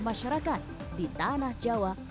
masyarakat di tanah jawa